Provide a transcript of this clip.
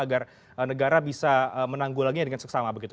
agar negara bisa menanggulanginya dengan seksama begitu